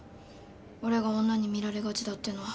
俺が女に見られがちだってのは。